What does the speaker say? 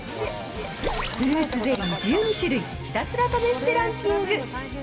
フルーツゼリー１２種類ひたすら試してランキング。